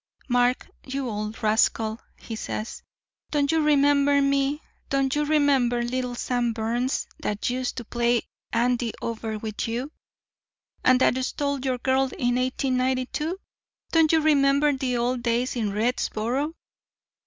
'Mark, you old rascal,' he says, 'don't you remember me don't you remember little Sam Burns that used to play andy over with you, and that stole your girl in 1892? Don't you remember the old days in Readsboro?'